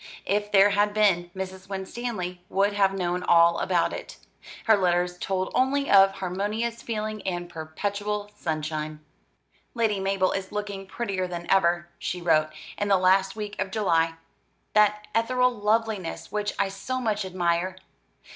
If there had been, Mrs. Winstanley would have known all about it. Her letters told only of harmonious feeling and perpetual sunshine. "Lady Mabel is looking prettier than ever," she wrote, in the last week of July, "that ethereal loveliness which I so much admire.